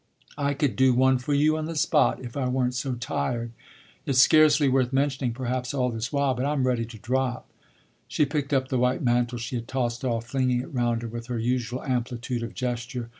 I could do one for you on the spot if I weren't so tired. It's scarcely worth mentioning perhaps all this while but I'm ready to drop." She picked up the white mantle she had tossed off, flinging it round her with her usual amplitude of gesture.